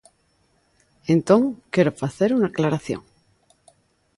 Entón quero facer unha aclaración.